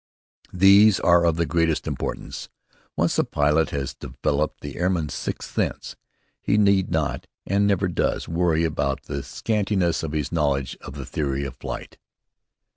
These are of the greatest importance. Once the pilot has developed this airman's sixth sense, he need not, and never does, worry about the scantiness of his knowledge of the theory of flight.